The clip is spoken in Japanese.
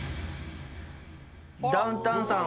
ダウンタウンさん